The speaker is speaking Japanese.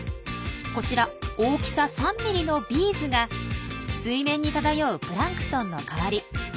こちら大きさ３ｍｍのビーズが水面に漂うプランクトンの代わり。